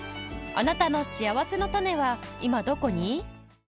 あなたのしあわせのたねは今どこに？